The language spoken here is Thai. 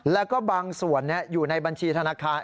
แล้วก็บางส่วนอยู่ในบัญชีธนาคาร